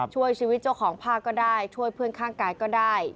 ช่วยชีวิตเจ้าของผ้าก็ได้ช่วยเพื่อนข้างกายก็ได้